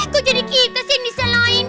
kok jadi kita sih yang disalain